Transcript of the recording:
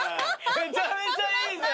めちゃめちゃいいじゃない。